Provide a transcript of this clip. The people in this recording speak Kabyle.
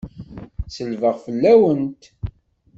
Selbeɣ fell-awent!